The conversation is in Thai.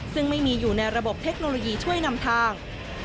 ซึ่งไม่มีอยู่ในระบบเทคโนโลยีช่วยนำทาง